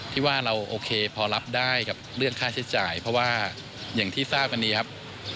ที่ว่าเราโอเคพอรับได้กับเรื่องค่าใช้จ่ายเพราะว่าอย่างที่ทราบกันดีครับ